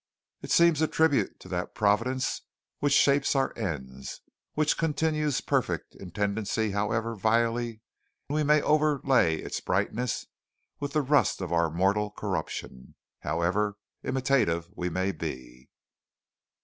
It seems a tribute to that providence which shapes our ends, which continues perfect in tendency however vilely we may overlay its brightness with the rust of our mortal corruption, however imitative we may be.